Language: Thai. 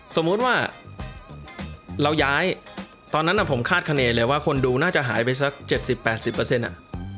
สมมุติว่าเราย้ายตอนนั้นอ่ะผมคาดคะเนตเลยว่าคนดูน่าจะหายไปสักเจ็ดสิบแปดสิบเปอร์เซ็นต์อ่ะ